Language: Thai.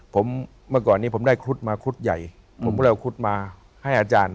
ผมเมื่อก่อนนี้ผมได้ครุฑมาครุฑใหญ่ผมก็เลยเอาครุฑมาให้อาจารย์